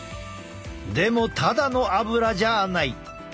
でもただのアブラじゃない。